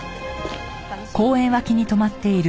楽しい？